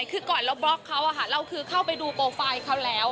คือก่อนเราบล็อกเขาเราคือเข้าไปดูโปรไฟล์เขาแล้ว